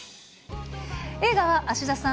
映画は芦田さん